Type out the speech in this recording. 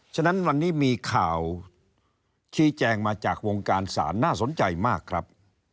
ฉะนั้นวันนี้มีข่าวชี้แจงมาจากวงการศาลน่าสนใจมากครับ